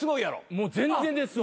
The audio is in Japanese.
もう全然ですわ。